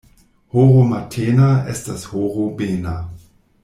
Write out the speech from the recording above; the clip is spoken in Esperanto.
Horo matena estas horo bena.